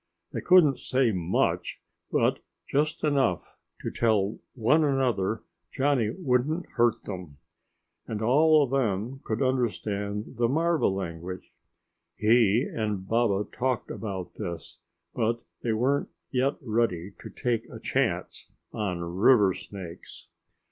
They couldn't say much, but just enough to tell one another Johnny wouldn't hurt them. And all of them could understand the marva language. He and Baba talked about this, but they weren't yet ready to take a chance on river snakes.